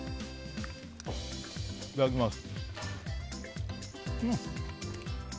いただきます。